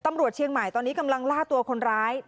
ตำรวจเชียงใหม่ตอนนี้กำลังล่าตัวคนร้าย